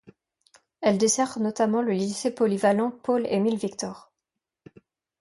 Elle dessert notamment le lycée polyvalent Paul-Émile-Victor.